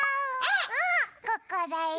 ここだよ。